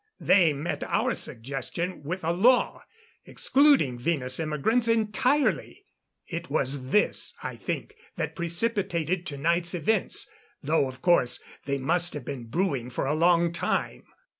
They met our suggestion with a law excluding Venus immigrants entirely. It was this, I think, that precipitated tonight's events though of course they must have been brewing for a long time."